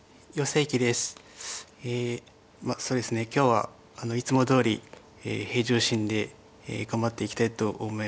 そうですね今日はいつもどおり平常心で頑張っていきたいと思います。